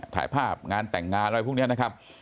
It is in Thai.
ถ่ายภาพงานแต่งงานอะไรพวกนี้นะครับ